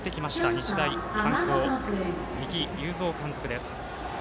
日大三高、三木有造監督です。